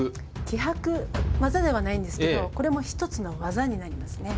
気迫技ではないんですけどこれも一つの技になりますね。